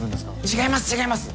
違います違います。